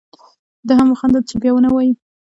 ده هم وخندل چې بیا و نه وایې.